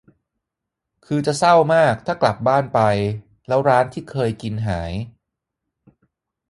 คือจะเศร้ามากถ้ากลับบ้านไป แล้วร้านที่เคยกินหาย